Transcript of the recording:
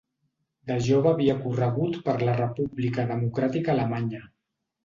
De jove havia corregut per la República Democràtica Alemanya.